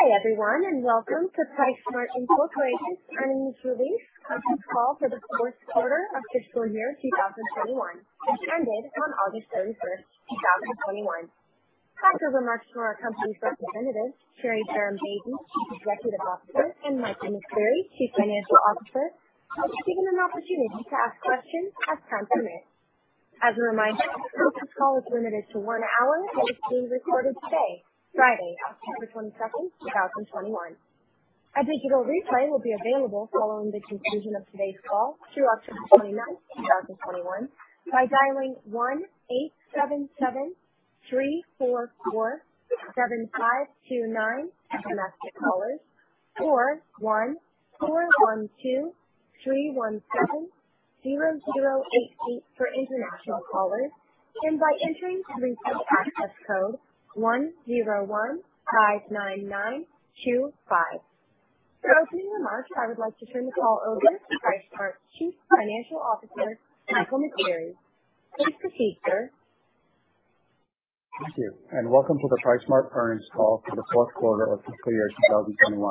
Hi, everyone, and welcome to PriceSmart, Inc.'s Earnings Release Conference Call for the Fourth Quarter of Fiscal Year 2021, which ended on August 31st, 2021. Thank you very much to our company representatives, Sherry S. Bahrambeygui, Chief Executive Officer, and Michael L. McCleary, Chief Financial Officer. I'll be giving an opportunity to ask questions as time permits. As a reminder, this conference call is limited to one hour and is being recorded today, Friday, October 22nd, 2021. A digital replay will be available following the conclusion of today's call through October 29th, 2021 by dialing 1-877-344-7529 for domestic callers or 1-412-317-0088 for international callers, and by entering the replay access code 10159925. For opening remarks, I would like to turn the call over to PriceSmart's Chief Financial Officer, Michael L. McCleary. Please proceed, sir. Thank you, and welcome to the PriceSmart Earnings Call for the Fourth Quarter of Fiscal Year 2021.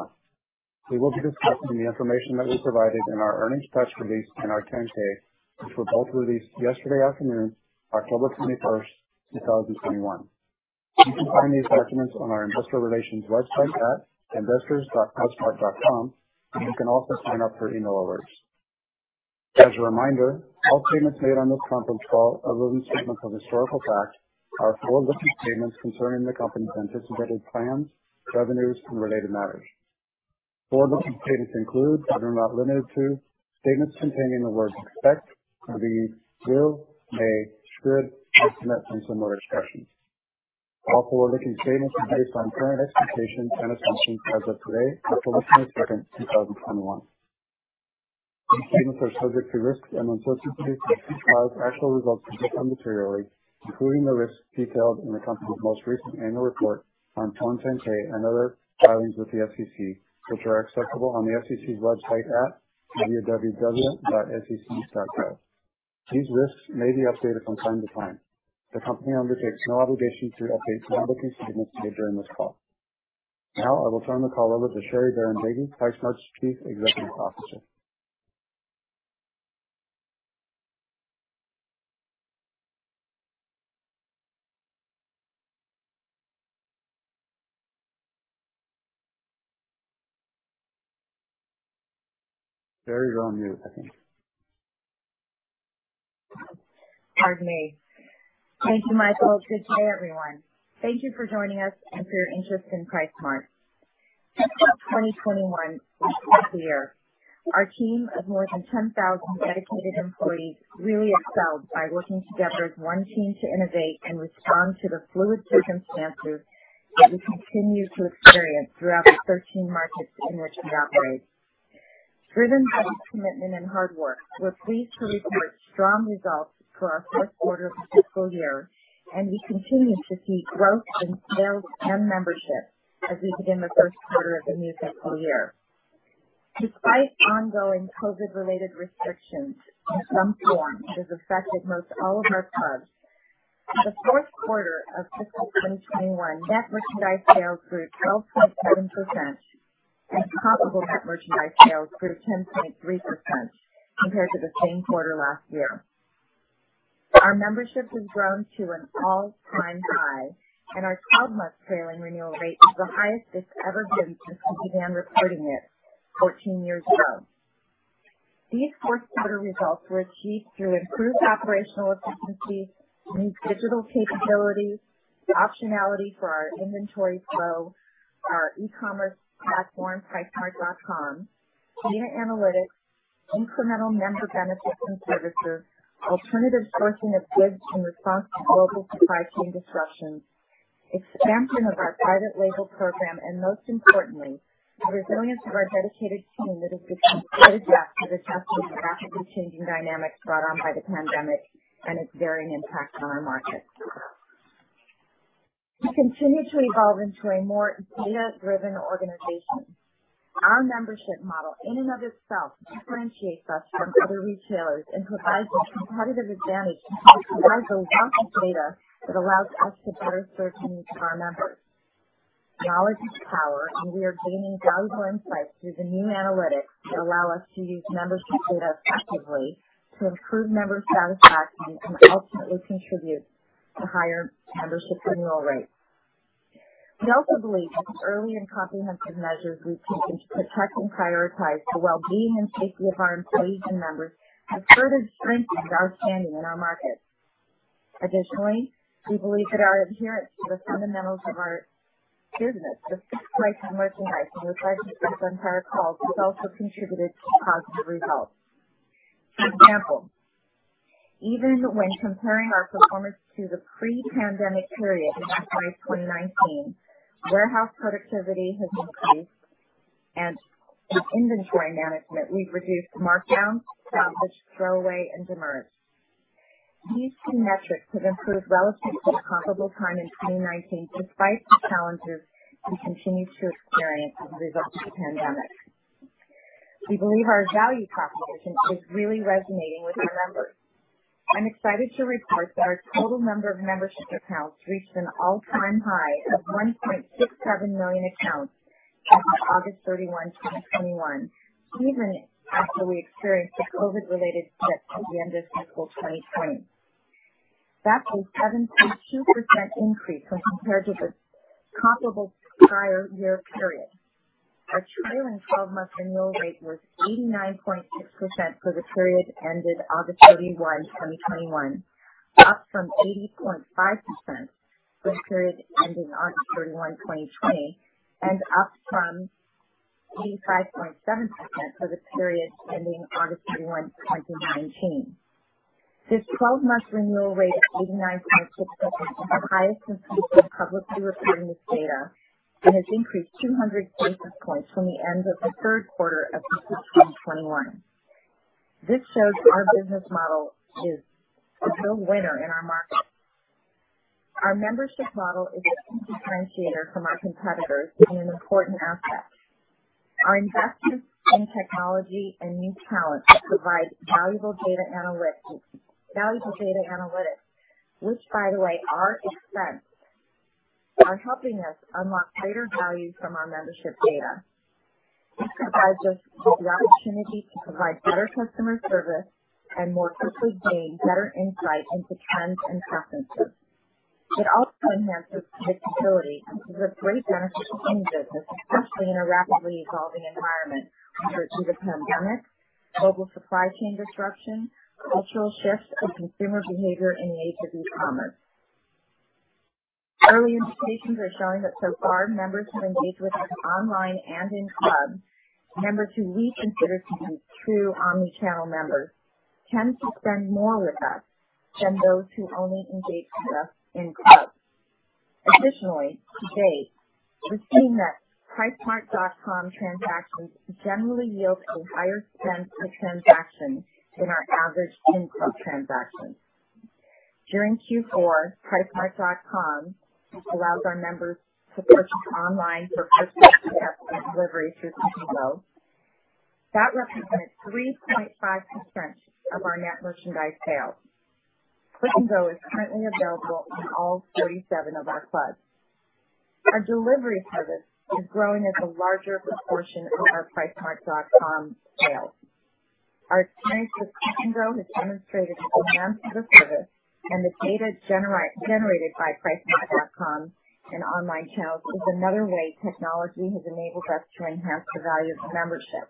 We will be discussing the information that we provided in our earnings press release and our 10-K, which were both released yesterday afternoon, October 21st, 2021. You can find these documents on our investor relations website at investors.pricesmart.com, and you can also sign up for email alerts. As a reminder, all statements made on this conference call, although these statements are historical fact, are forward-looking statements concerning the company's anticipated plans, revenues, and related matters. Forward-looking statements include, but are not limited to, statements containing the words "expect," "believe," "will," "may," "should," "ultimate," and similar expressions. All forward-looking statements are based on current expectations and assumptions as of today, October 22nd, 2021. These statements are subject to risks and uncertainties that could cause actual results to differ materially, including the risks detailed in the company's most recent annual report on Form 10-K and other filings with the SEC, which are accessible on the SEC's website at www.sec.gov. These risks may be updated from time to time. The company undertakes no obligation to update forward-looking statements made during this call. I will turn the call over to Sherry S. Bahrambeygui, PriceSmart's Chief Executive Officer. Sherry, you're on mute, I think. Pardon me. Thank you, Michael. Good day, everyone. Thank you for joining us and for your interest in PriceSmart. 2021 was a tough year. Our team of more than 10,000 dedicated employees really excelled by working together as one team to innovate and respond to the fluid circumstances that we continue to experience throughout the 13 markets in which we operate. Driven by commitment and hard work, we're pleased to report strong results for our fourth quarter of the fiscal year, and we continue to see growth in sales and membership as we begin the first quarter of the new fiscal year. Despite ongoing COVID-related restrictions in some form that has affected most all of our clubs, the fourth quarter of fiscal 2021, net merchandise sales grew 12.7%, and comparable net merchandise sales grew 10.3% compared to the same quarter last year. Our membership has grown to an all-time high, and our 12-month trailing renewal rate is the highest it's ever been since we began reporting it 14 years ago. These fourth quarter results were achieved through improved operational efficiencies, new digital capabilities, optionality for our inventory flow, our e-commerce platform, pricesmart.com, data analytics, incremental member benefits and services, alternative sourcing of goods in response to global supply chain disruptions, expansion of our private label program, and most importantly, the resilience of our dedicated team that has become adept at adjusting to rapidly changing dynamics brought on by the pandemic and its varying impact on our markets. We continue to evolve into a more data-driven organization. Our membership model, in and of itself, differentiates us from other retailers and provides a competitive advantage that provides a wealth of data that allows us to better serve the needs of our members. Knowledge is power, and we are gaining valuable insights through the new analytics that allow us to use membership data effectively to improve member satisfaction and ultimately contribute to higher membership renewal rates. We also believe that the early and comprehensive measures we've taken to protect and prioritize the well-being and safety of our employees and members have further strengthened our standing in our markets. Additionally, we believe that our adherence to the fundamentals of our business, just right merchandise and we tried to stress on prior calls, has also contributed to positive results. For example, even when comparing our performance to the pre-pandemic period in FY 2019, warehouse productivity has increased, and with inventory management, we've reduced markdowns, salvage, throw away, and damages. These two metrics have improved relative to the comparable time in 2019, despite the challenges we continue to experience as a result of the pandemic. We believe our value proposition is really resonating with our members. I'm excited to report that our total number of membership accounts reached an all-time high of 1.67 million accounts as of August 31, 2021, even after we experienced a COVID-related dip at the end of fiscal 2020. That's a 7.2% increase when compared to the comparable prior year period. Our trailing 12-month renewal rate was 89.6% for the period ending August 31, 2021, up from 80.5% for the period ending August 31, 2020, and up from 85.7% for the period ending August 31, 2019. This 12-month renewal rate of 89.6% is our highest since we've been publicly reporting this data and has increased 200 basis points from the end of the third quarter of fiscal 2021. This shows our business model is a real winner in our market. Our membership model is a key differentiator from our competitors and an important asset. Our investments in technology and new talent provide valuable data analytics, which by the way, are expensive, are helping us unlock greater value from our membership data. This provides us with the opportunity to provide better customer service and more quickly gain better insight into trends and preferences. It also enhances predictability and is a great benefit to any business, especially in a rapidly evolving environment due to the pandemic, global supply chain disruptions, cultural shifts in consumer behavior in the age of e-commerce. Early indications are showing that so far, members who engage with us online and in-club, members who we consider to be true omnichannel members, tend to spend more with us than those who only engage with us in-club. Additionally, to date, we're seeing that pricesmart.com transactions generally yield a higher spend per transaction than our average in-club transactions. During Q4, pricesmart.com, which allows our members to purchase online for curbside pickup and delivery through Click & Go, that represented 3.5% of our net merchandise sales. Click & Go is currently available in all 37 of our clubs. Our delivery service is growing as a larger proportion of our pricesmart.com sales. Our experience with Click & Go has demonstrated demand for the service, and the data generated by pricesmart.com and online channels is another way technology has enabled us to enhance the value of membership.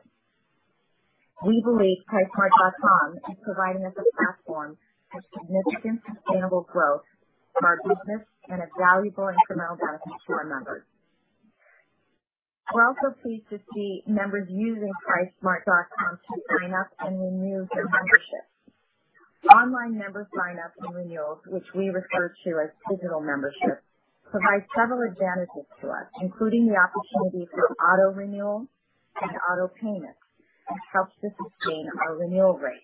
We believe pricesmart.com is providing us a platform for significant, sustainable growth for our business and a valuable incremental benefit to our members. We're also pleased to see members using pricesmart.com to sign up and renew their memberships. Online member sign-ups and renewals, which we refer to as digital memberships, provide several advantages to us, including the opportunity for auto-renewal and auto-payments, and helps us sustain our renewal rates.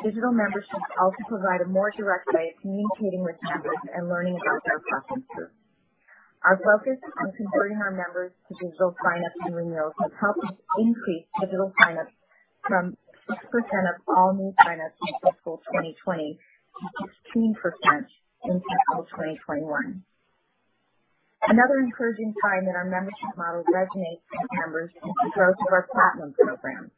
Digital memberships also provide a more direct way of communicating with members and learning about their preferences. Our focus on converting our members to digital sign-ups and renewals has helped us increase digital sign-ups from 6% of all new sign-ups in fiscal 2020 to 16% in fiscal 2021. Another encouraging sign that our membership model resonates with members is the growth of our Platinum program,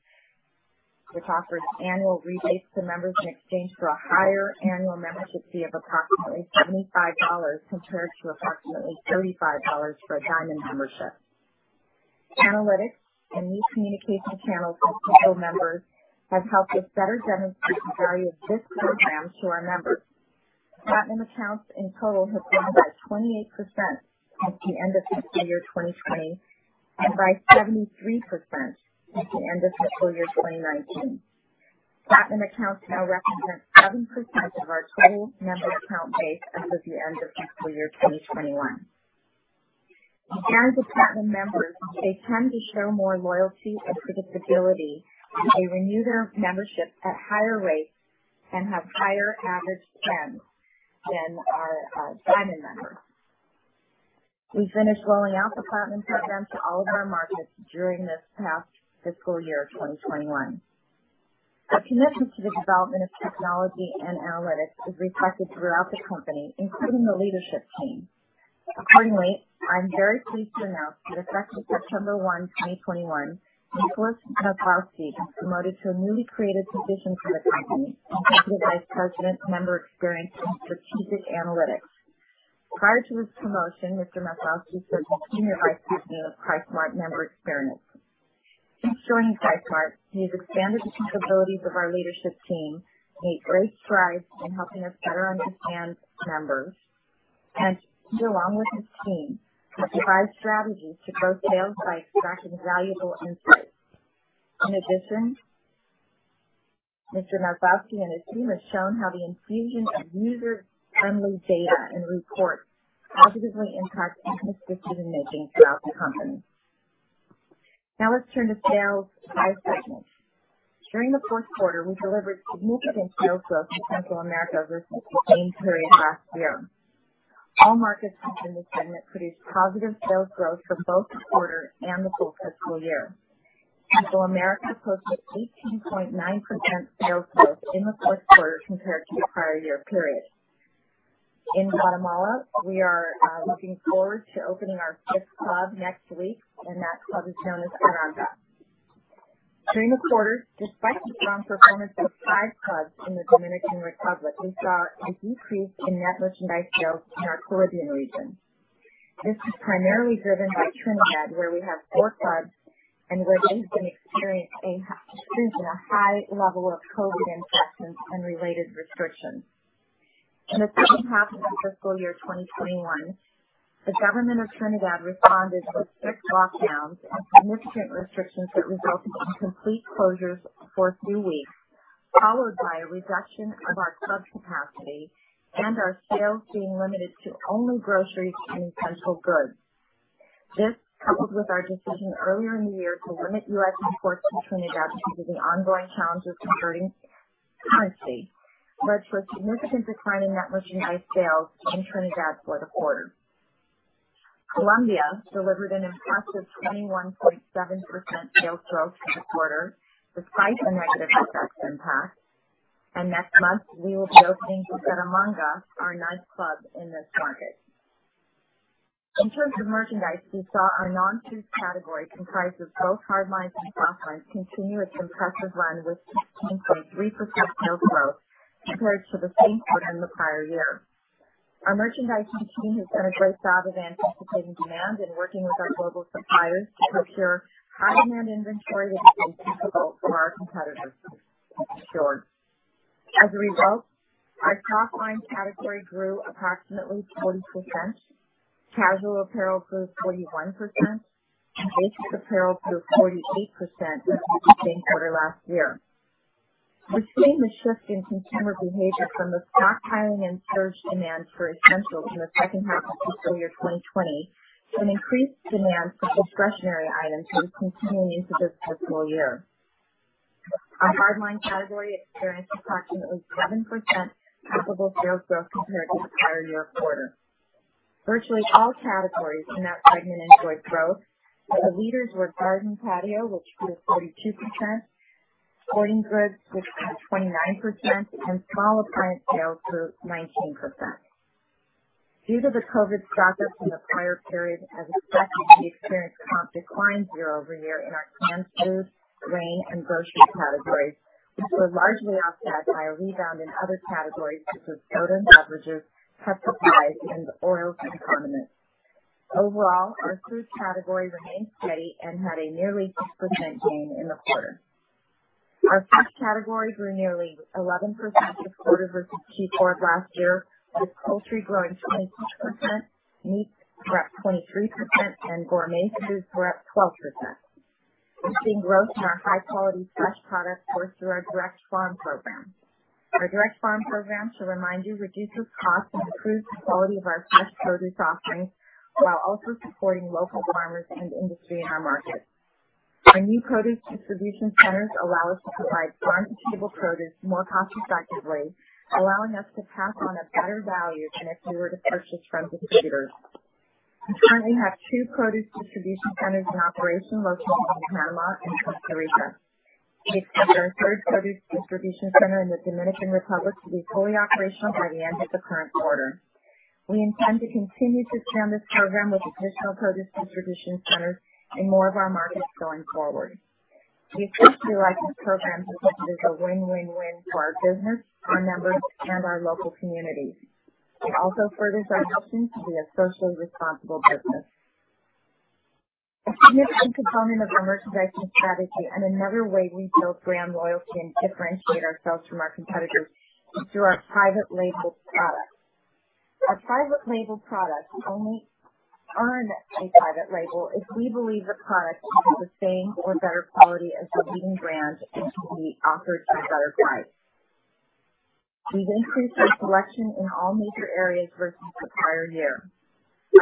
which offers annual rebates to members in exchange for a higher annual membership fee of approximately $75, compared to approximately $35 for a Diamond membership. Analytics and new communication channels with digital members have helped us better demonstrate the value of this program to our members. Platinum accounts in total have grown by 28% at the end of fiscal year 2020, and by 73% at the end of fiscal year 2019. Platinum accounts now represent 7% of our total member account base as of the end of fiscal year 2021. The Platinum members, they tend to show more loyalty and predictability. They renew their memberships at higher rates and have higher average spends than our Diamond members. We finished rolling out the Platinum program to all of our markets during this past fiscal year, 2021. Our commitment to the development of technology and analytics is reflected throughout the company, including the leadership team. Accordingly, I'm very pleased to announce that effective September 1, 2021, Nicholas Makowski was promoted to a newly created position for the company, Executive Vice President, Member Experience and Strategic Analytics. Prior to his promotion, Mr. Makowski served as Senior Vice President of PriceSmart Member Experience. Since joining PriceSmart, he has expanded the capabilities of our leadership team, made great strides in helping us better understand members, and he, along with his team, has devised strategies to grow sales by extracting valuable insights. In addition, Mr. Makowski and his team have shown how the infusion of user-friendly data and reports positively impacts emphasis decision-making throughout the company. Now let's turn to sales by segment. During the fourth quarter, we delivered significant sales growth in Central America versus the same period last year. All markets within the segment produced positive sales growth for both the quarter and the full fiscal year. Central America posted 18.9% sales growth in the fourth quarter compared to the prior year period. In Guatemala, we are looking forward to opening our fifth club next week, and that club is known as Aranda. During the quarter, despite the strong performance of five clubs in the Dominican Republic, we saw a decrease in net merchandise sales in our Caribbean region. This was primarily driven by Trinidad, where we have four clubs and where we've been experiencing a high level of COVID infections and related restrictions. In the second half of the fiscal year 2021, the government of Trinidad responded with strict lockdowns and significant restrictions that resulted in complete closures for three weeks, followed by a reduction of our club capacity and our sales being limited to only groceries and essential goods. This, coupled with our decision earlier in the year to limit U.S. imports to Trinidad due to the ongoing challenges converting currency, led to a significant decline in net merchandise sales in Trinidad for the quarter. Colombia delivered an impressive 21.7% sales growth for the quarter, despite the negative FX impact. Next month, we will be opening Bocagrande, our ninth club in this market. In terms of merchandise, we saw our non-food category, comprised of both hardlines and softlines, continue its impressive run with 16.3% sales growth compared to the same quarter in the prior year. Our merchandising team has done a great job of anticipating demand and working with our global suppliers to procure high-demand inventory that has been difficult for our competitors to secure. As a result, our softline category grew approximately 20%, casual apparel grew 41%, and basic apparel grew 48% versus the same quarter last year. We're seeing the shift in consumer behavior from the stockpiling and surge demand for essentials in the second half of fiscal year 2020, and increased demand for discretionary items is continuing into this fiscal year. Our hardline category experienced approximately 7% comparable sales growth compared to the prior year quarter. Virtually all categories in that segment enjoyed growth. The leaders were garden patio, which grew 42%, sporting goods, which grew 29%, and small appliance sales grew 19%. Due to the COVID softness in the prior period, as expected, we experienced comp decline year-over-year in our canned foods, grain, and grocery categories, which were largely offset by a rebound in other categories such as soda and beverages, pet supplies, and oils and condiments. Overall, our food category remained steady and had a nearly 6% gain in the quarter. Our fresh categories were nearly 11% this quarter versus Q4 of last year, with poultry growing 22%, meats were up 23%, and gourmet foods were up 12%. We've seen growth in our high-quality fresh products sourced through our direct farm program. Our direct farm program, to remind you, reduces costs and improves the quality of our fresh produce offerings while also supporting local farmers and industry in our markets. Our new produce distribution centers allow us to provide farm-to-table produce more cost-effectively, allowing us to pass on a better value than if we were to purchase from distributors. We currently have two produce distribution centers in operation located in Panama and Costa Rica. We expect our third produce distribution center in the Dominican Republic to be fully operational by the end of the current quarter. We intend to continue to expand this program with additional produce distribution centers in more of our markets going forward. We expect to realize this program's potential as a win-win-win for our business, our members, and our local communities. It also furthers our mission to be a socially responsible business. A significant component of our merchandising strategy and another way we build brand loyalty and differentiate ourselves from our competitors is through our private label products. Our private label products only earn a private label if we believe the product to be the same or better quality as the leading brand and can be offered at a better price. We've increased our selection in all major areas versus the prior year.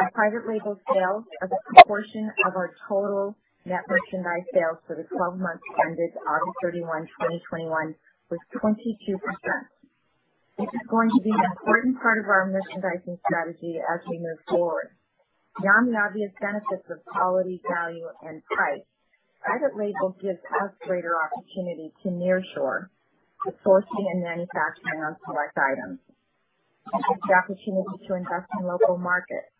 Our private label sales as a proportion of our total net merchandise sales for the 12 months ended August 31, 2021, was 22%. This is going to be an important part of our merchandising strategy as we move forward. Beyond the obvious benefits of quality, value, and price, private label gives us greater opportunity to nearshore the sourcing and manufacturing on select items. It gives the opportunity to invest in local markets.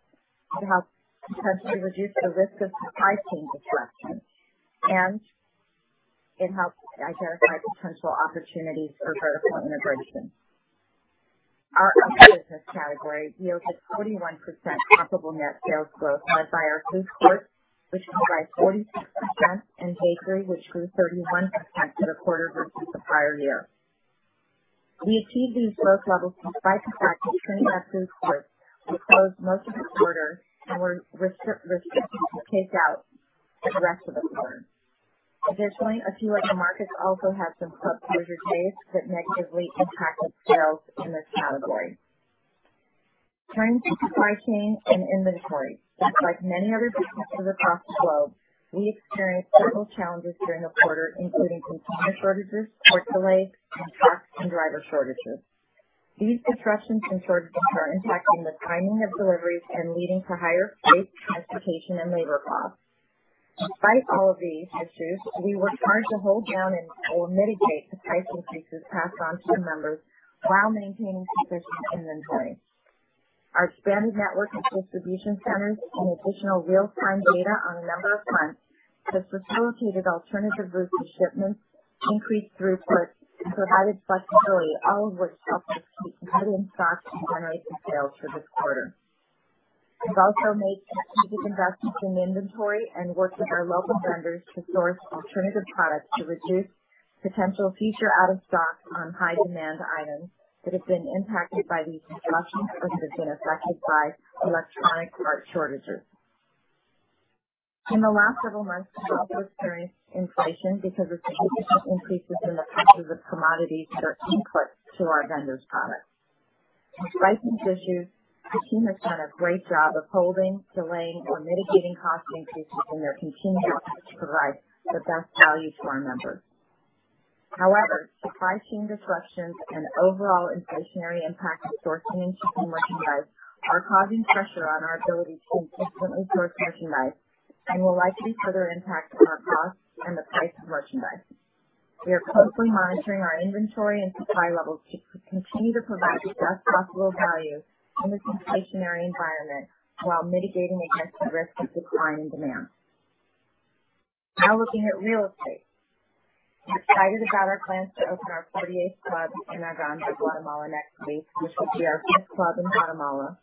It helps potentially reduce the risk of pricing compression, and it helps identify potential opportunities for vertical integration. Our other business category yielded 41% comparable net sales growth, led by our food courts, which grew by 46%, and bakery, which grew 31% for the quarter versus the prior year. We achieved these growth levels despite the fact that Trinidad food courts were closed most of the quarter and were restricted to takeout for the rest of the quarter. Additionally, a few other markets also had some club closure days that negatively impacted sales in this category. Turning to pricing and inventory. Like many other retailers across the globe, we experienced several challenges during the quarter, including container shortages, port delays, and truck and driver shortages. These disruptions and shortages are impacting the timing of deliveries and leading to higher freight, transportation, and labor costs. Despite all of these issues, we worked hard to hold down or mitigate the price increases passed on to members while maintaining sufficient inventory. Our expanded network of distribution centers and additional real-time data on the number of fronts has facilitated alternative routes of shipments, increased throughput, and provided flexibility, all of which helped us keep competing stocks and generating sales for this quarter. We've also made strategic investments in inventory and worked with our local vendors to source alternative products to reduce potential future out of stock on high demand items that have been impacted by these disruptions or that have been affected by electronic part shortages. In the last several months, we also experienced inflation because of significant increases in the prices of commodities that are inputs to our vendors' products. Despite these issues, the team has done a great job of holding, delaying, or mitigating cost increases in their continued efforts to provide the best value to our members. Supply chain disruptions and overall inflationary impact of sourcing and shipping merchandise are causing pressure on our ability to consistently source merchandise and will likely further impact front costs and the price of merchandise. We are closely monitoring our inventory and supply levels to continue to provide the best possible value in this inflationary environment while mitigating against the risk of decline in demand. Looking at real estate. We're excited about our plans to open our 48th club in Aranda, Guatemala next week, which will be our fifth club in Guatemala.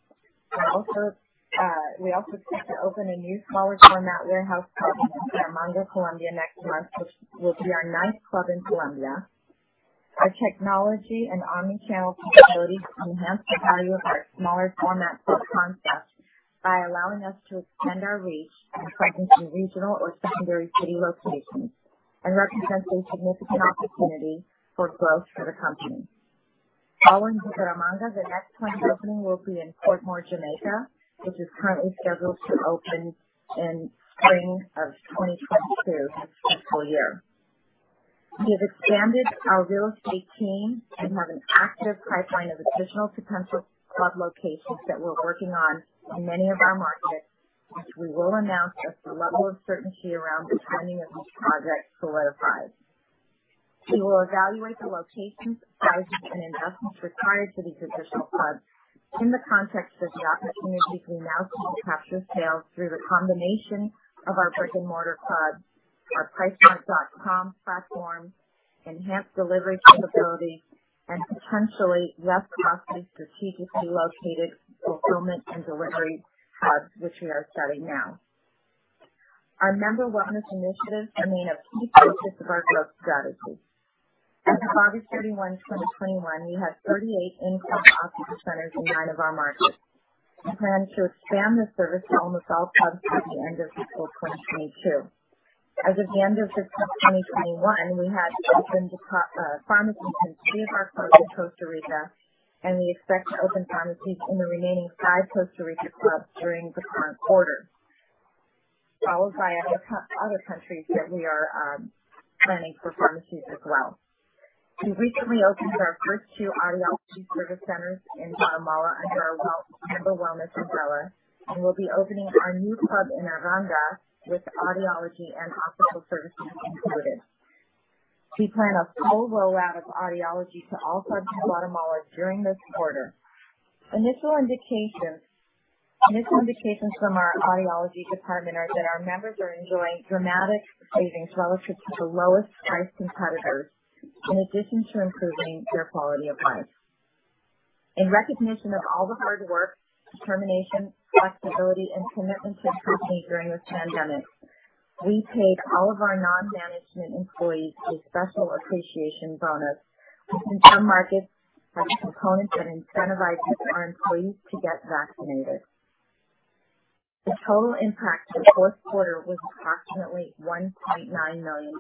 We also plan to open a new smaller format warehouse club in Barranquilla, Colombia next month, which will be our ninth club in Colombia. Our technology and omnichannel capabilities enhance the value of our smaller format club concept by allowing us to extend our reach and presence in regional or secondary city locations and represents a significant opportunity for growth for the company. Following Barranquilla, the next planned opening will be in Portmore, Jamaica, which is currently scheduled to open in spring of 2022, next fiscal year. We have expanded our real estate team and have an active pipeline of additional potential club locations that we're working on in many of our markets, which we will announce as the level of certainty around the timing of each project solidifies. We will evaluate the locations, sizes, and investments required for these additional clubs in the context of the opportunities we now see to capture sales through the combination of our brick-and-mortar clubs, our pricesmart.com platform, enhanced delivery capabilities, and potentially less costly, strategically located fulfillment and delivery hubs, which we are studying now. Our member wellness initiatives remain a key focus of our growth strategy. As of August 31, 2021, we had 38 in-club optical centers in nine of our markets. We plan to expand this service to almost all clubs by the end of fiscal 2022. As of the end of fiscal 2021, we had opened pharmacies in three of our clubs in Costa Rica, and we expect to open pharmacies in the remaining five Costa Rica clubs during the current quarter, followed by other countries that we are planning for pharmacies as well. We recently opened our first two audiology service centers in Guatemala under our wellness umbrella, and we'll be opening our new club in Aranda with audiology and optical services included. We plan a full rollout of audiology to all clubs in Guatemala during this quarter. Initial indications from our audiology department are that our members are enjoying dramatic savings relative to the lowest priced competitors, in addition to improving their quality of life. In recognition of all the hard work, determination, flexibility, and commitment to the company during this pandemic, we paid all of our non-management employees a special appreciation bonus. We think some markets have components that incentivize our employees to get vaccinated. The total impact to the fourth quarter was approximately $1.9 million.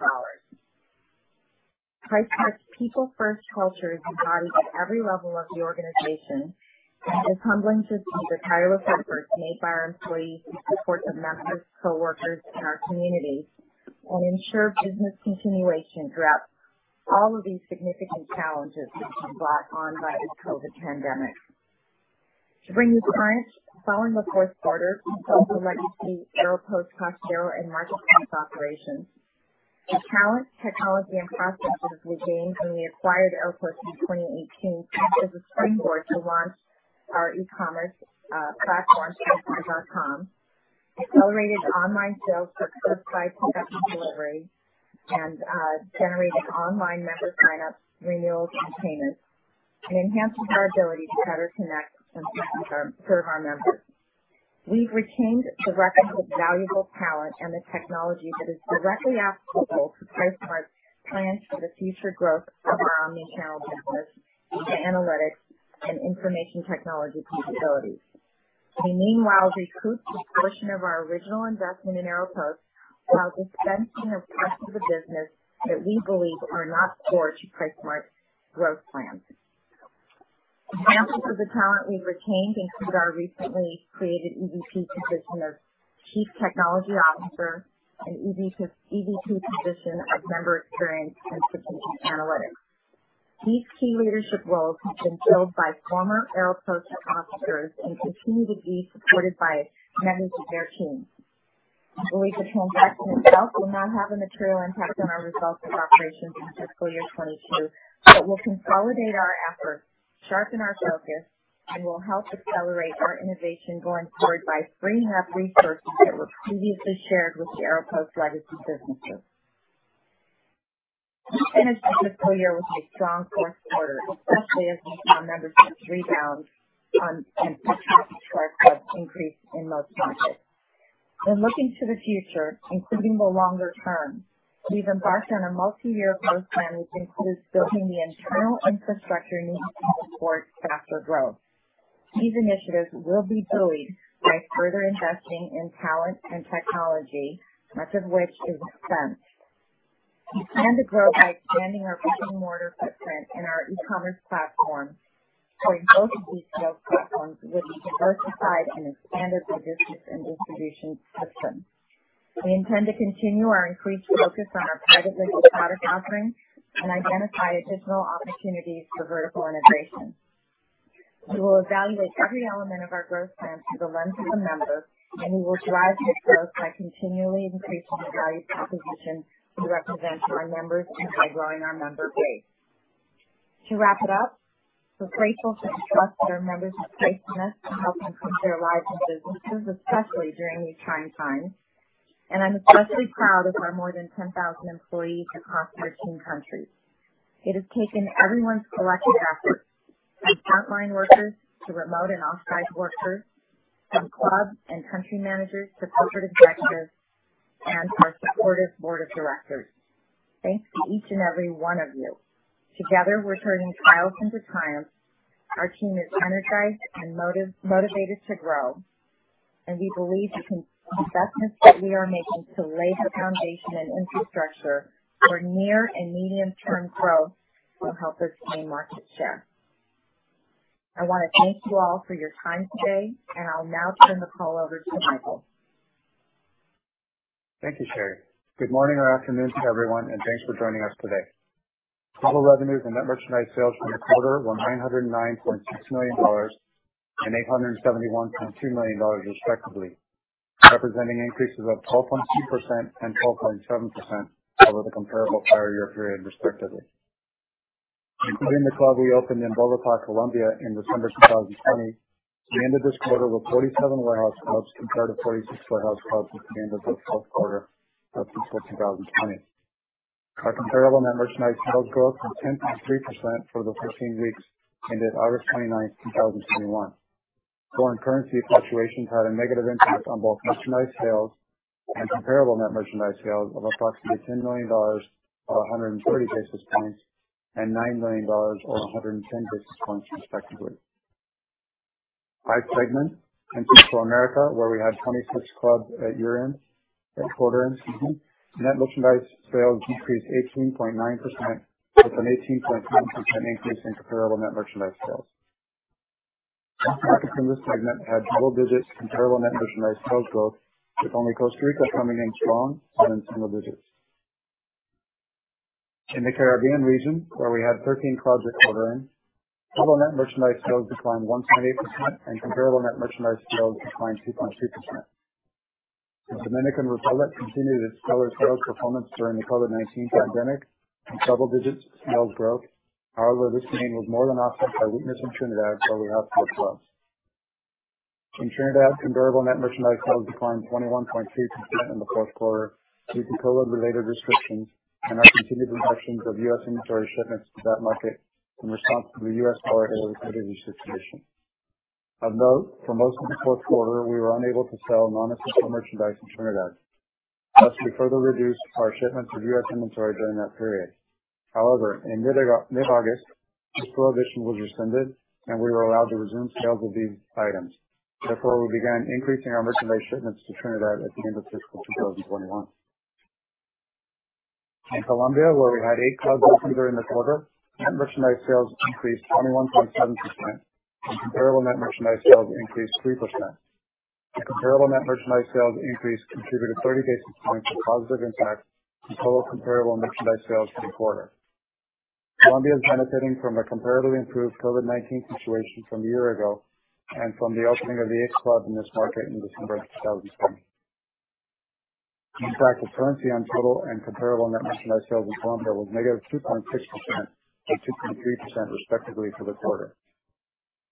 PriceSmart's people first culture is embodied at every level of the organization, and it is humbling to see the tireless efforts made by our employees in support of members, coworkers, and our communities and ensure business continuation throughout all of these significant challenges brought on by the COVID pandemic. To bring you current, following the fourth quarter, we sold the legacy Aeropost Costa Rica and Marketplace operations. The talent, technology, and processes we gained when we acquired Aeropost in 2018 acted as a springboard to launch our e-commerce platform, pricesmart.com. It accelerated online sales for curbside pickup and delivery and generated online member sign-ups, renewals, and payments. It enhances our ability to better connect and serve our members. We've retained the requisite valuable talent and the technology that is directly applicable to PriceSmart's plans for the future growth of our omnichannel business, data analytics, and information technology capabilities. We meanwhile recouped a portion of our original investment in Aeropost while dispensing of parts of the business that we believe are not core to PriceSmart's growth plans. Examples of the talent we've retained include our recently created EVP position of Chief Technology Officer and EVP position of Member Experience and Strategic Analytics. These key leadership roles have been filled by former Aeropost officers and continue to be supported by members of their team. The transition itself will not have a material impact on our results of operations in fiscal year 2022, but will consolidate our efforts, sharpen our focus, and will help accelerate our innovation going forward by freeing up resources that were previously shared with the Aeropost legacy businesses. We finished the fiscal year with a strong fourth quarter, especially as we saw memberships rebound and foot traffic starts to have increased in most markets. In looking to the future, including the longer term, we've embarked on a multi-year growth plan, which includes building the internal infrastructure needed to support faster growth. These initiatives will be buoyed by further investing in talent and technology, much of which is expense. We plan to grow by expanding our brick-and-mortar footprint and our e-commerce platform, where both of these sales platforms will be diversified and expanded logistics and distribution systems. We intend to continue our increased focus on our private label product offerings and identify additional opportunities for vertical integration. We will evaluate every element of our growth plans through the lens of the member, and we will drive this growth by continually increasing the value proposition we represent to our members and by growing our member base. To wrap it up, we're grateful to the trust our members have placed in us to help improve their lives and businesses, especially during these trying times. I'm especially proud of our more than 10,000 employees across 13 countries. It has taken everyone's collective efforts, from frontline workers to remote and off-site workers, from club and country managers to corporate executives and our supportive board of directors. Thanks to each and every one of you. Together, we're turning trials into triumphs. Our team is energized and motivated to grow, and we believe the investments that we are making to lay the foundation and infrastructure for near and medium-term growth will help us gain market share. I want to thank you all for your time today, and I'll now turn the call over to Michael. Thank you, Sherry. Good morning or afternoon to everyone, and thanks for joining us today. Total revenues and net merchandise sales for the quarter were $909.6 million and $871.2 million respectively, representing increases of 12.2% and 12.7% over the comparable prior year period, respectively. Including the club we opened in Bogotá, Colombia in December 2020, we ended this quarter with 47 warehouse clubs compared to 46 warehouse clubs at the end of the fourth quarter of fiscal 2020. Our comparable net merchandise sales growth was 10.3% for the 15 weeks ended August 29, 2021. Foreign currency fluctuations had a negative impact on both merchandise sales and comparable net merchandise sales of approximately $10 million or 130 basis points and $9 million or 110 basis points, respectively. By segment, in Central America, where we had 26 clubs at quarter end, net merchandise sales decreased 18.9%, with an 18.1% increase in comparable net merchandise sales. All markets in this segment had double-digit comparable net merchandise sales growth, with only Costa Rica coming in strong and in single digits. In the Caribbean region, where we had 13 clubs at quarter end, total net merchandise sales declined 1.8% and comparable net merchandise sales declined 2.2%. The Dominican Republic continued its stellar sales performance during the COVID-19 pandemic with double-digit sales growth. This gain was more than offset by weakness in Trinidad, where we have two clubs. In Trinidad, comparable net merchandise sales declined 21.2% in the fourth quarter due to COVID-related restrictions and our continued reductions of U.S. inventory shipments to that market in response to the U.S. power utility situation. Of note, for most of the fourth quarter, we were unable to sell non-essential merchandise in Trinidad, thus we further reduced our shipments of U.S. inventory during that period. In mid-August, this prohibition was rescinded, and we were allowed to resume sales of these items. We began increasing our merchandise shipments to Trinidad at the end of fiscal 2021. In Colombia, where we had eight clubs open during the quarter, net merchandise sales increased 21.7% and comparable net merchandise sales increased 3%. The comparable net merchandise sales increase contributed 30 basis points of positive impact to total comparable merchandise sales for the quarter. Colombia is benefiting from a comparatively improved COVID-19 situation from a year ago and from the opening of the eighth club in this market in December 2020. The impact of currency on total and comparable net merchandise sales in Colombia was negative 2.6% and 2.3%, respectively, for the quarter.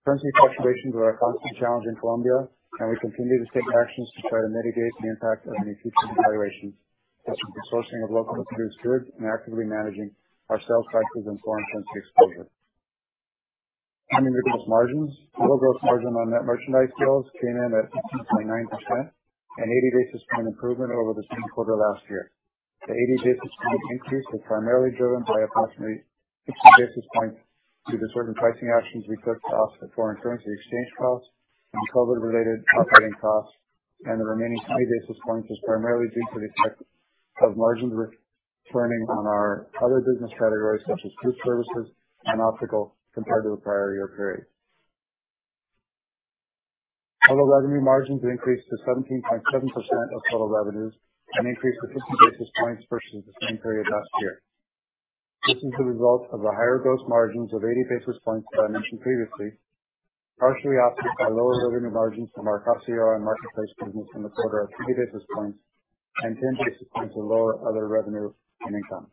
Currency fluctuations are a constant challenge in Colombia, and we continue to take actions to try to mitigate the impact of any future devaluations, such as the sourcing of locally produced goods and actively managing our sales prices and foreign currency exposure. Coming to gross margins, total gross margin on net merchandise sales came in at 16.9%, an 80 basis point improvement over the same quarter last year. The 80 basis points increase was primarily driven by approximately 60 basis points due to certain pricing actions we took to offset foreign currency exchange costs and COVID-related operating costs, and the remaining 20 basis points was primarily due to the type of margins we're turning on our other business categories, such as food services and optical, compared to the prior year period. Total revenue margins increased to 17.7% of total revenues, an increase of 50 basis points versus the same period last year. This is the result of the higher gross margins of 80 basis points that I mentioned previously, partially offset by lower revenue margins from our Click & Go and Marketplace business in the quarter of 2 basis points and 10 basis points of lower other revenue and income.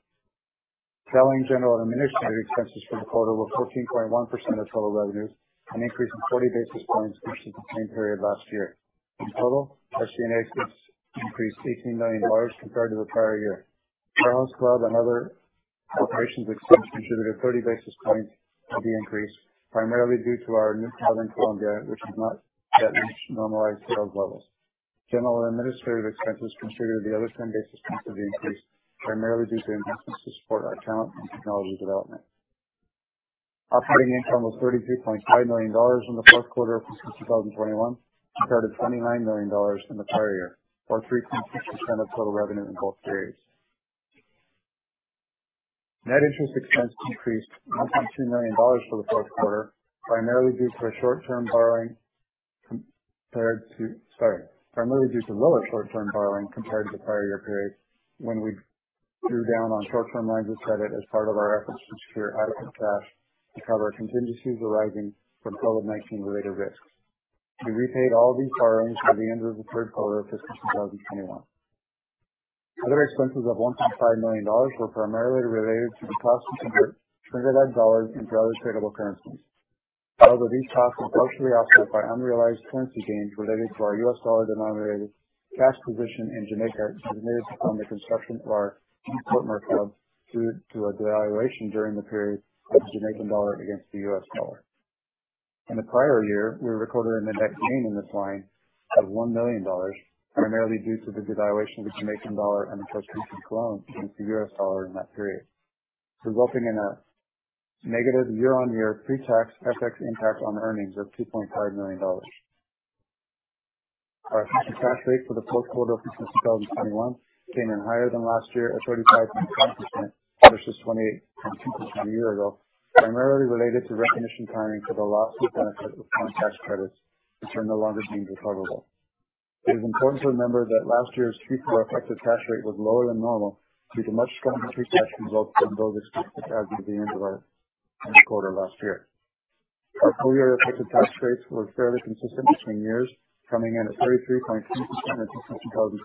Selling, general, and administrative expenses for the quarter were 14.1% of total revenues, an increase of 40 basis points versus the same period last year. In total, SG&A increased $18 million compared to the prior year. Talent Club and other operations expense contributed 30 basis points of the increase, primarily due to our new South Bogotá, Colombia, which has not yet reached normalized sales levels. General and administrative expenses contributed the other 10 basis points of the increase, primarily due to investments to support our talent and technology development. Operating income was $33.5 million in the fourth quarter of fiscal 2021, compared to $29 million in the prior year, or 3.6% of total revenue in both periods. Net interest expense increased $1.2 million for the fourth quarter, primarily due to lower short-term borrowing compared to the prior year period, when we drew down on short-term lines of credit as part of our efforts to secure adequate cash to cover contingencies arising from COVID-19 related risks. We repaid all of these borrowings by the end of the third quarter of fiscal 2021. Other expenses of $1.5 million were primarily related to the cost to convert Trinidad dollars into other tradable currencies. These costs were partially offset by unrealized currency gains related to our U.S. dollar-denominated cash position in Jamaica submitted on the construction of our Portmore Club due to a devaluation during the period of the Jamaican dollar against the U.S. dollar. In the prior year, we recorded a net gain in this line of $1 million, primarily due to the devaluation of the Jamaican dollar and the Costa Rican colon against the U.S. dollar in that period, resulting in a negative year-on-year pre-tax FX impact on earnings of $2.5 million. Our effective tax rate for the fourth quarter of fiscal 2021 came in higher than last year at 35.7%, versus 28.2% a year ago, primarily related to recognition timing for the loss we've benefited from tax credits, which are no longer deemed recoverable. It is important to remember that last year's three-quarter effective tax rate was lower than normal due to much stronger free cash results from those exposed to casualty at the end of our fourth quarter last year. Our full-year effective tax rates were fairly consistent between years, coming in at 33.2% in fiscal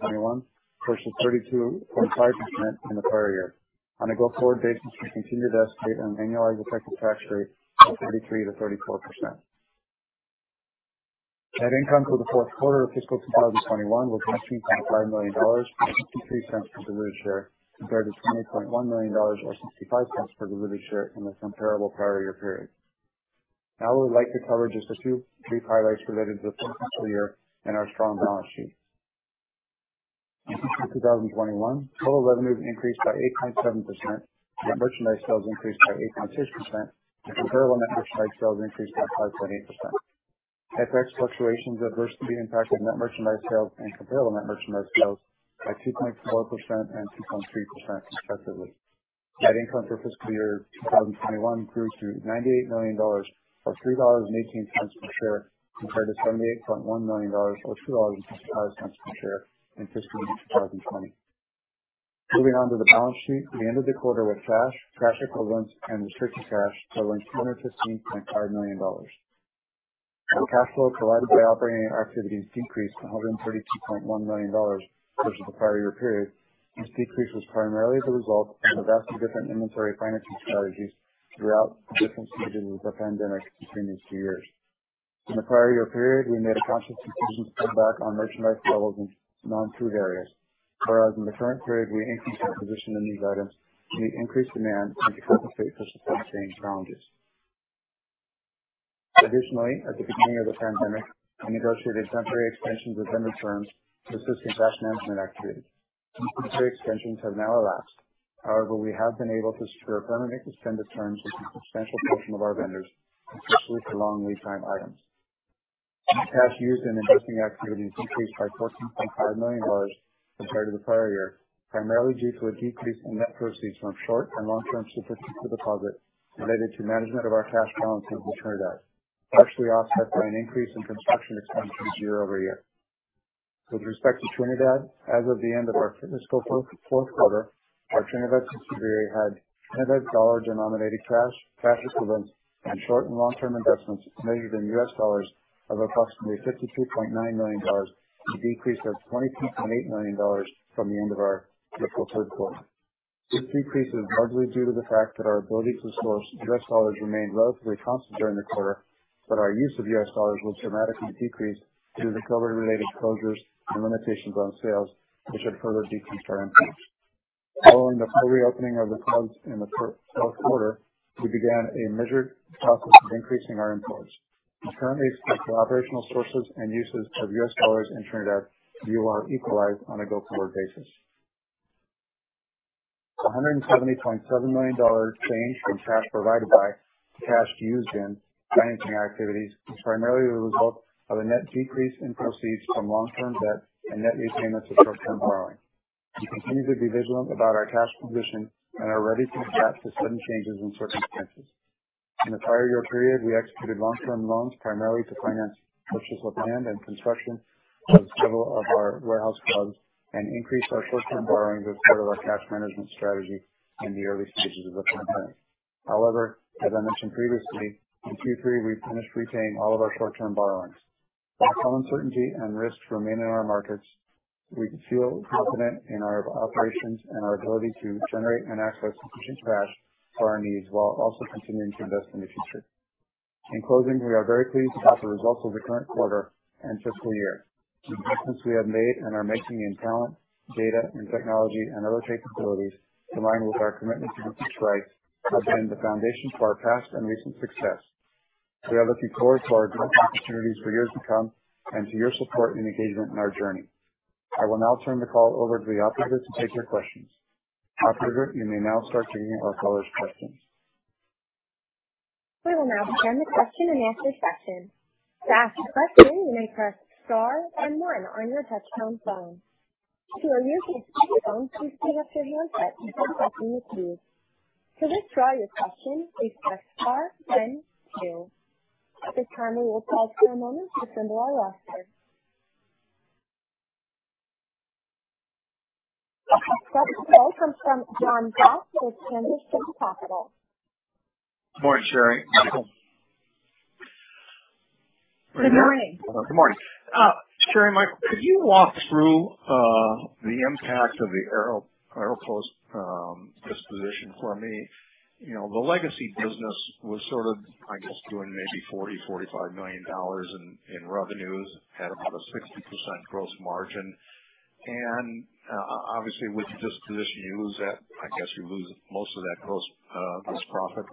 2021 versus 32.5% in the prior year. On a go-forward basis, we continue to estimate an annualized effective tax rate of 33%-34%. Net income for the fourth quarter of fiscal 2021 was $13.5 million, or $0.63 per diluted share, compared to $20.1 million or $0.65 per diluted share in the comparable prior year period. Now I would like to cover just a few brief highlights related to the full fiscal year and our strong balance sheet. In fiscal 2021, total revenues increased by 8.7%, net merchandise sales increased by 8.6%, and comparable net merchandise sales increased by 5.8%. FX fluctuations adversely impacted net merchandise sales and comparable net merchandise sales by 2.4% and 2.3% respectively. Net income for fiscal year 2021 grew to $98 million, or $3.18 per share, compared to $78.1 million or $2.65 per share in fiscal 2020. Moving on to the balance sheet, we ended the quarter with cash equivalents, and restricted cash totaling $215.5 million. Our cash flow provided by operating activities decreased to $132.1 million versus the prior year period. This decrease was primarily as a result of the vastly different inventory financing strategies throughout the different stages of the pandemic between these two years. In the prior year period, we made a conscious decision to pull back on merchandise levels in non-food areas. Whereas in the current period, we increased our position in these items to meet increased demand and to compensate for supply chain challenges. Additionally, at the beginning of the pandemic, we negotiated temporary extensions of vendor terms to assist in cash management activities. These temporary extensions have now elapsed. However, we have been able to secure permanent extended terms with a substantial portion of our vendors, especially for long lead time items. Cash used in investing activities increased by $14.5 million compared to the prior year, primarily due to a decrease in net proceeds from short and long-term certificates of deposit related to management of our cash balances in Trinidad, partially offset by an increase in construction expenditures year-over-year. With respect to Trinidad, as of the end of our fiscal fourth quarter, our Trinidad subsidiary had Trinidad dollar-denominated cash equivalents, and short and long-term investments measured in U.S. dollars of approximately $52.9 million, a decrease of $22.8 million from the end of our fiscal third quarter. This decrease is largely due to the fact that our ability to source U.S. dollars remained relatively constant during the quarter, but our use of U.S. dollars was dramatically decreased due to the COVID-related closures and limitations on sales, which had further decreased our imports. Following the full reopening of the clubs in the fourth quarter, we began a measured process of increasing our imports. We currently expect operational sources and uses of U.S. dollars in Trinidad to be more equalized on a go-forward basis. $170.7 million change from cash provided by cash used in financing activities is primarily a result of a net decrease in proceeds from long-term debt and net repayments of short-term borrowing. We continue to be vigilant about our cash position and are ready to adapt to sudden changes in circumstances. In the prior year period, we executed long-term loans primarily to finance purchases of land and construction of several of our warehouse clubs and increased our short-term borrowings as part of our cash management strategy in the early stages of the pandemic. As I mentioned previously, in Q3, we finished repaying all of our short-term borrowings. While uncertainty and risks remain in our markets, we feel confident in our operations and our ability to generate and access sufficient cash for our needs while also continuing to invest in the future. In closing, we are very pleased with the results of the current quarter and fiscal year. The investments we have made and are making in talent, data, and technology and other capabilities, combined with our commitment to the future price, have been the foundation for our past and recent success. We are looking forward to our growth opportunities for years to come and to your support and engagement in our journey. I will now turn the call over to the operator to take your questions. Operator, you may now start taking our callers' questions. Our first call comes from John Goff with Kansas City Capital. Morning, Sherry. Good morning. Good morning. Sherry, could you walk through the impact of the Aeropost disposition for me? The legacy business was sort of, I guess, doing maybe $40 million-$45 million in revenues at about a 60% gross margin. Obviously, with the disposition, I guess you lose most of that gross profit.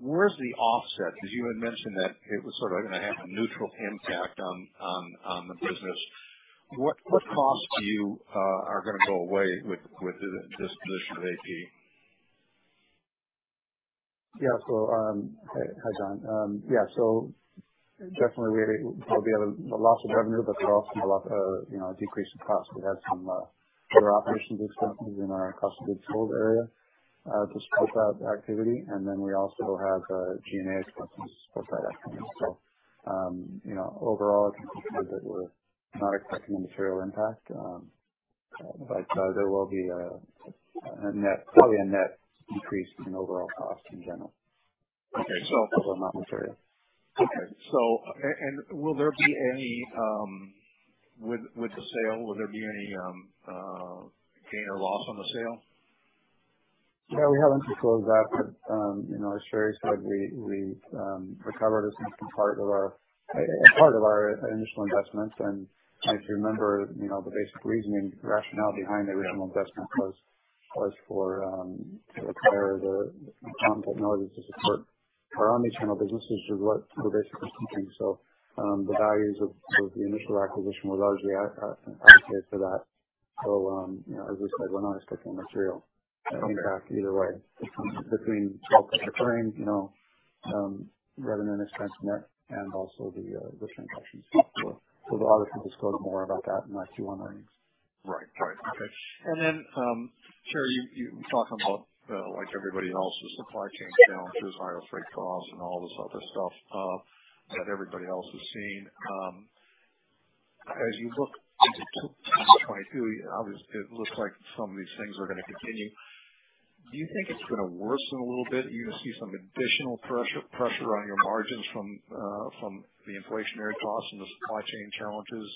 Where's the offset? You had mentioned that it was sort of going to have a neutral impact on the business. What costs to you are going to go away with the disposition of AP? Hi, John. Definitely there'll be a loss of revenue, but there's also a decrease in cost. We have some other operations expenses in our customer tools area to support that activity. We also have G&A expenses to support that activity. Overall, it's fair that we're not expecting a material impact. There will be probably a net decrease in overall cost in general. Okay. Not material. Okay. With the sale, will there be any gain or loss on the sale? Yeah, we haven't disclosed that, but as Sherry said, we recovered a part of our initial investments. If you remember, the basic reasoning rationale behind the original investment was for the acquired talent and knowledge to support our omnichannel businesses is what we're basically seeking. The values of the initial acquisition will largely allocate for that. As we said, we're not expecting material impact either way between revenue and expense net and also the transaction fees. The auditor can disclose more about that in our Q1 earnings. Right. Okay. Sherry, you talk about, like everybody else, the supply chain challenges, higher freight costs and all this other stuff that everybody else is seeing. As you look into 2022, obviously, it looks like some of these things are going to continue. Do you think it's going to worsen a little bit? Are you going to see some additional pressure on your margins from the inflationary costs and the supply chain challenges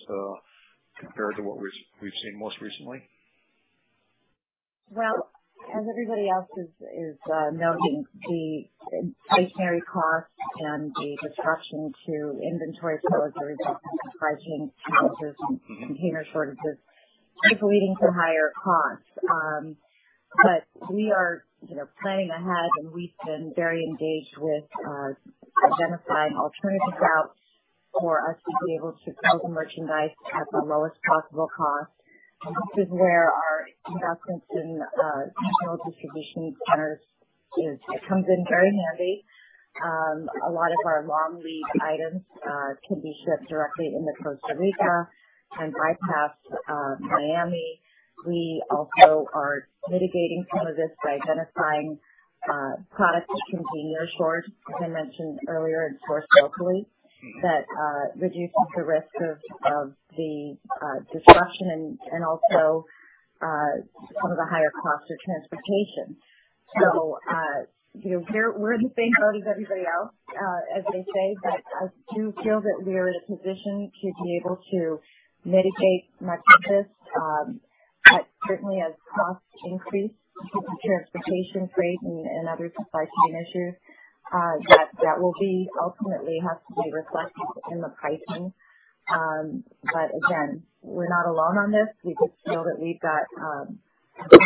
compared to what we've seen most recently? As everybody else is noting, the inflationary costs and the disruption to inventory flows resulting from supply chain challenges and container shortages is leading to higher costs. We are planning ahead, and we've been very engaged with identifying alternative routes for us to be able to sell the merchandise at the lowest possible cost. This is where our investments in regional distribution centers comes in very handy. A lot of our long lead items can be shipped directly into Costa Rica and bypass Miami. We also are mitigating some of this by identifying products that can be near-shored, as I mentioned earlier, and sourced locally. That reduces the risk of the disruption and also some of the higher costs of transportation. We're in the same boat as everybody else, as they say. I do feel that we are in a position to be able to mitigate much of this. Certainly a cost increase due to transportation freight and other supply chain issues that will ultimately have to be reflected in the pricing. Again, we're not alone on this. We just feel that we've got good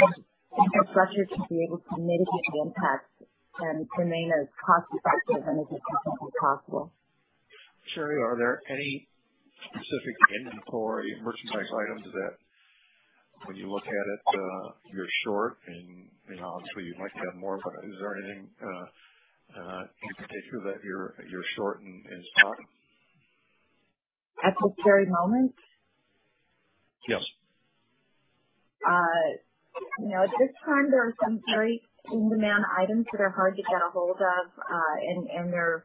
infrastructure to be able to mitigate the impacts and remain as cost effective and as efficient as possible. Sherry, are there any specific items or merchandise items that when you look at it, you're short and obviously you might have more, but is there anything in particular that you're short in stock? At this very moment? Yes. At this time, there are some very in-demand items that are hard to get a hold of, and they're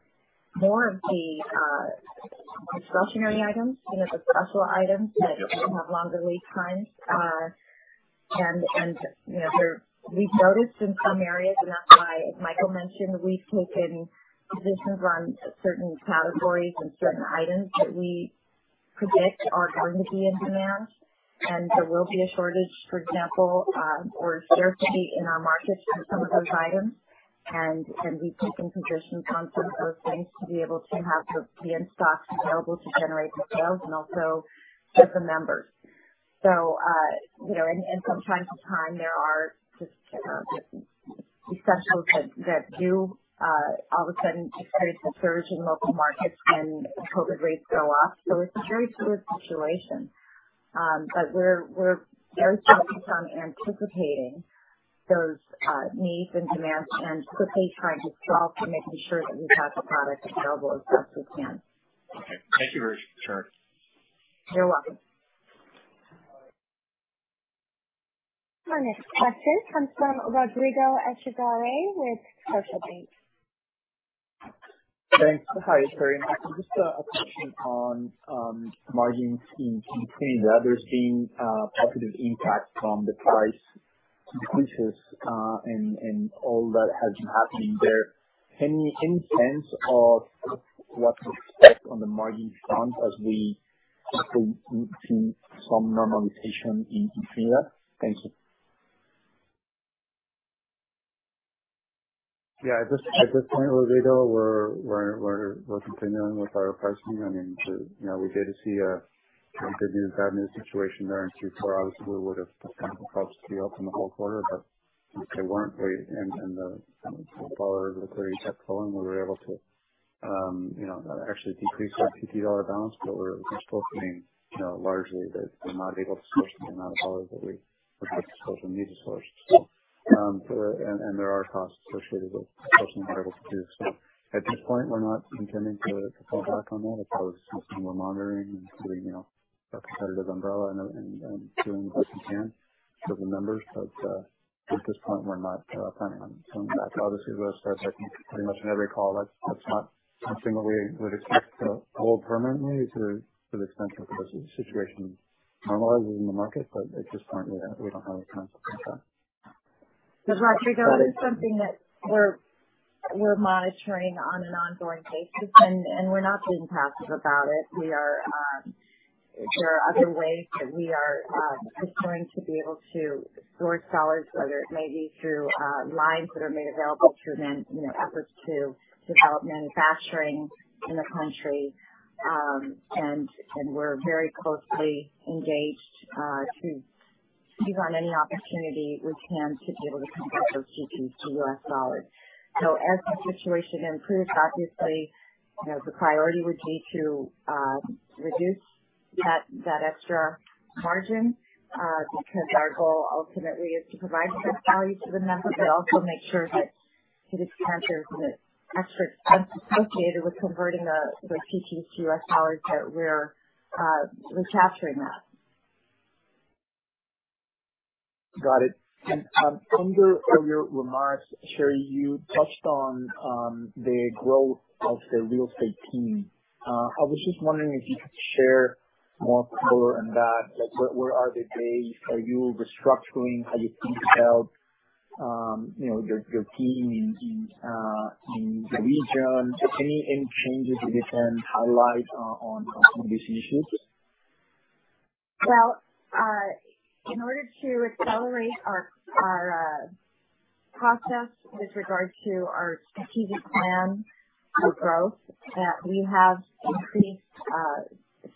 more of the discretionary items, the special items that have longer lead times. We've noticed in some areas, and that's why, as Michael mentioned, we've taken positions on certain categories and certain items that we predict are going to be in demand, and there will be a shortage, for example, or a scarcity in our markets for some of those items. We've taken positions on some of those things to be able to have the in-stocks available to generate the sales and also help the members. From time to time, there are just essentials that do all of a sudden experience a surge in local markets when COVID rates go up. It's a very fluid situation. We're very focused on anticipating those needs and demands and quickly trying to solve and making sure that we have the product available as best we can. Okay. Thank you very much, Sherry. You're welcome. Our next question comes from Rodrigo Echagaray with Scotiabank. Thanks. Hi, Sherry. Just a question on margins in Colombia. There's been a positive impact from the price increases, and all that has been happening there. Any sense of what to expect on the margin front as we hopefully see some normalization in Colombia? Thank you. Yeah. At this point, Rodrigo, we're continuing with our pricing. We did see a good news, bad news situation there in Q4. Obviously, we would've preferred to be up in the whole quarter, but they weren't great. The dollars were very kept flowing. We were able to actually decrease our TT dollar balance, but we're still seeing largely that we're not able to source the amount of dollars that we would like to source and need to source. There are costs associated with sourcing that we're able to do so. At this point, we're not intending to pull back on that. Of course, we're monitoring and keeping our competitive umbrella and doing the best we can for the members. At this point, we're not planning on pulling back. Obviously, Rodrigo, as far as I can pretty much on every call, that's not something that we would expect to hold permanently to the extent that the situation normalizes in the market. At this point, we don't have any plans to pull back. Rodrigo, that is something that we're monitoring on an ongoing basis, and we're not being passive about it. There are other ways that we are pursuing to be able to source dollars, whether it may be through lines that are made available through efforts to develop manufacturing in the country. We're very closely engaged to pounce on any opportunity we can to be able to convert those Trinidad to U.S. dollars. As the situation improves, obviously, the priority would be to reduce that extra margin, because our goal ultimately is to provide good value to the members but also make sure that to the extent there's an extra expense associated with converting the Trinidad to U.S. dollars, that we're recapturing that. Got it. In your earlier remarks, Sherry, you touched on the growth of the real estate team. I was just wondering if you could share more color on that. Where are they based? Are you restructuring? Have you seen results? Your team in the region, any changes you can highlight on some of these issues? In order to accelerate our process with regard to our strategic plan for growth, we have increased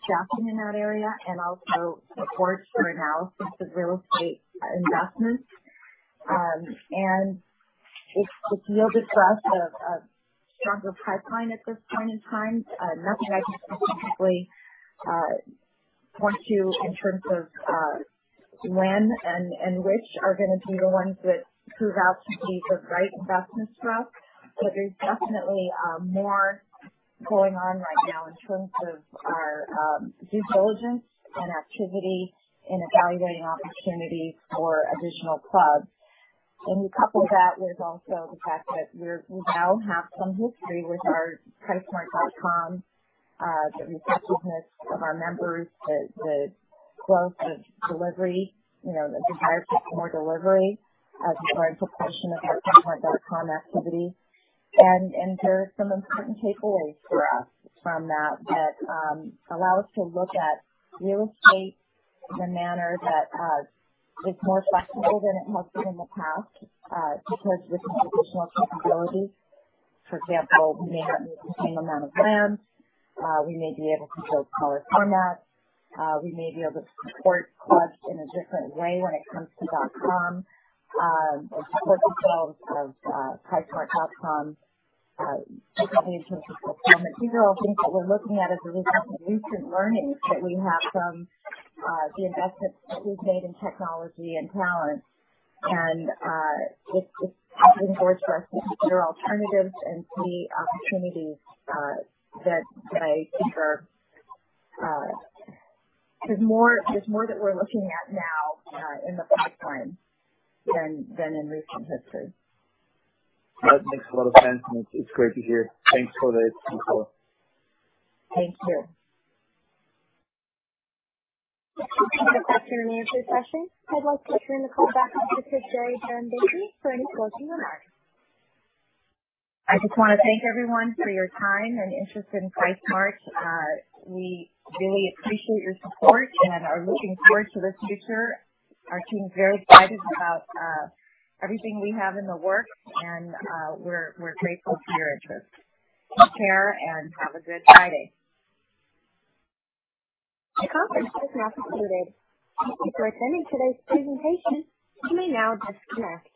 staffing in that area and also reports for analysis of real estate investments. It's yielded for us a strong pipeline at this point in time. Nothing I can specifically point to in terms of when and which are going to be the ones that prove out to be the right investments for us. There's definitely more going on right now in terms of our due diligence and activity in evaluating opportunities for additional clubs. You couple that with also the fact that we now have some history with our pricesmart.com, the receptiveness of our members, the growth of delivery, the desire for more delivery as it relates to portion of our pricesmart.com activity. There are some important takeaways for us from that allow us to look at real estate in a manner that is more flexible than it has been in the past because of this additional capability. For example, we may not need the same amount of land. We may be able to build smaller formats. We may be able to support clubs in a different way when it comes to .com and support the sales of pricesmart.com differently in terms of fulfillment. These are all things that we're looking at as a result of recent learnings that we have from the investments that we've made in technology and talent. It's been important for us to consider alternatives and see opportunities. There's more that we're looking at now in the past time than in recent history. That makes a lot of sense, and it's great to hear. Thanks for the info. Thank you. That concludes the question-and answer-session. I'd like to turn the call back over to Sherry S. Bahrambeygui for any closing remarks. I just want to thank everyone for your time and interest in PriceSmart. We really appreciate your support and are looking forward to the future. Our team is very excited about everything we have in the works, and we're grateful for your interest. Take care, and have a good Friday. The conference has now concluded. Thank you for attending today's presentation. You may now disconnect.